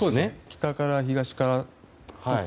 北から東から。